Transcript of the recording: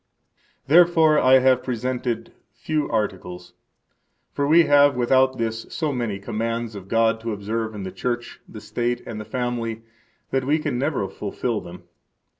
14 Therefore I have presented few articles; for we have without this so many commands of God to observe in the Church, the state, and the family that we can never fulfil them.